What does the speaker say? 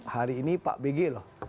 hari ini pak bg loh